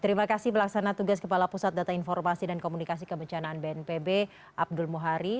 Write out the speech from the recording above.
terima kasih pelaksana tugas kepala pusat data informasi dan komunikasi kebencanaan bnpb abdul muhari